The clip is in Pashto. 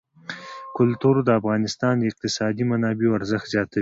کلتور د افغانستان د اقتصادي منابعو ارزښت زیاتوي.